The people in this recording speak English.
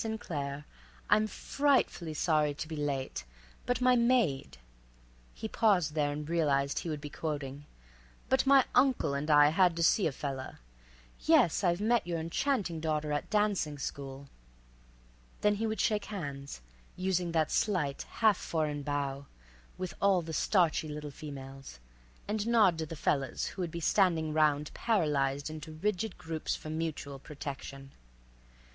Claire, I'm frightfully sorry to be late, but my maid"—he paused there and realized he would be quoting—"but my uncle and I had to see a fella—Yes, I've met your enchanting daughter at dancing school." Then he would shake hands, using that slight, half foreign bow, with all the starchy little females, and nod to the fellas who would be standing 'round, paralyzed into rigid groups for mutual protection.